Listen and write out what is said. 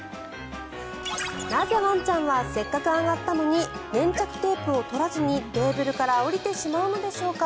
なぜワンちゃんはせっかく上がったのに粘着テープを取らずにテーブルから下りてしまうのでしょうか。